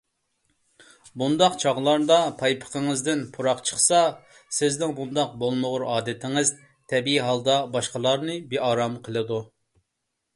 بۇنداق چاغلاردا پايپىقىڭىزدىن پۇراق چىقسا، سىزنىڭ بۇنداق بولمىغۇر ئادىتىڭىز تەبىئىي ھالدا باشقىلارنى بىئارام قىلىدۇ.